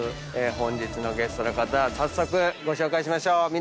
本日のゲストの方早速ご紹介しましょう。